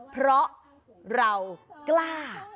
เพราะเรากล้า